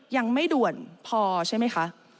ยังไม่ด่วนพอใช่ไหมคะ